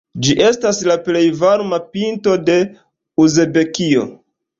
Ĝi estas la plej varma pinto de Uzbekio.